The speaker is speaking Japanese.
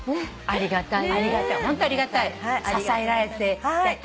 ありがたい。